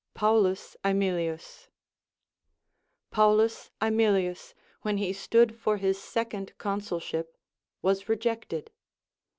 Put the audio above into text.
Paulus Aemilius. Paulus Aemilius, Λvhen he stood for his second consulship, was rejected.